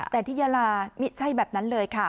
แต่ที่ยาลาไม่ใช่แบบนั้นเลยค่ะ